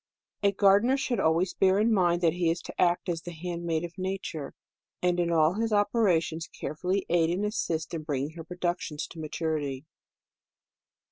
A gardener should always bear in mind that he is to act as the handmaid of nature, and in all his operations carefully aid and assist in bringing her productions to maturity.